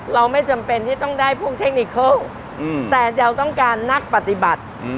เราไม่จำเป็นที่ต้องได้พวกเทคนิเคิลแต่เราต้องการนักปฏิบัติ